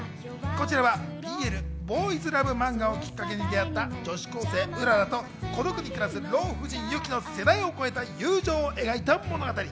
こちらはＢＬ、ボーイズラブマンガをきっかけに出会った女子高生・うららと孤独に暮らす老婦人雪の世代を超えた友情を描いた物語。